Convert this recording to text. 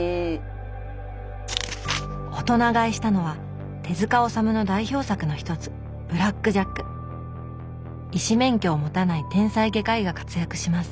「大人買い」したのは手治虫の代表作の一つ医師免許を持たない天才外科医が活躍します